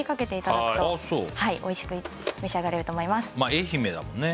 愛媛だもんね